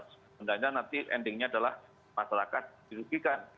sebenarnya nanti endingnya adalah masyarakat dirugikan